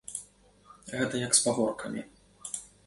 Гэта як з пагоркамі.